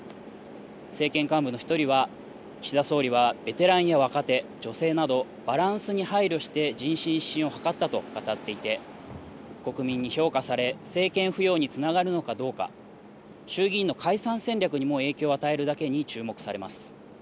政権幹部の１人は岸田総理はベテランや若手、女性などバランスに配慮して人心一新を図ったと語っていて国民に評価され政権浮揚につながるのかどうか、衆議院の解散戦略にも影響を与えるだけに注目されます。